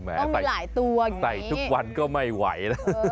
ต้องมีหลายตัวแบบนี้ใส่ทุกวันก็ไม่ไหว